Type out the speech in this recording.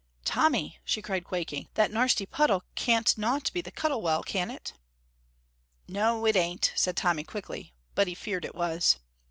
"Tommy," she cried, quaking, "that narsty puddle can't not be the Cuttle Well, can it?" "No, it ain't," said Tommy, quickly, but he feared it was.